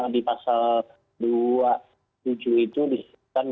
di pasal dua puluh tujuh itu disebutkan